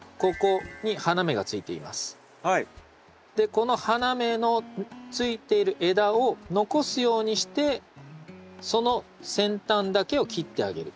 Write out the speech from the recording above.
この花芽のついている枝を残すようにしてその先端だけを切ってあげる。